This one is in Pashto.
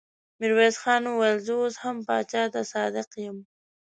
ميرويس خان وويل: زه اوس هم پاچا ته صادق يم.